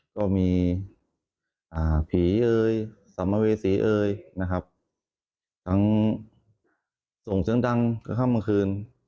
ก็มีผีเอ่ยสำมวงเวสีเอ่ยนะครับทั้งส่งเสียงดังก็ข้ามเมื่อคืน